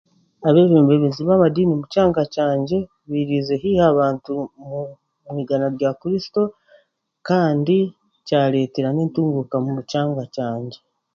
Abeebembezi b'amadiini mu kyanga kyangye bairiize haihi abantu omu ruganda rwa kuristo kandi bareetera n'entuunguuka omu kyanga kyangye